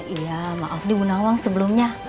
ya maaf nih bu nawang sebelumnya